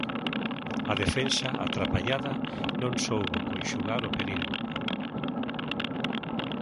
A defensa, atrapallada, non soubo conxugar o perigo.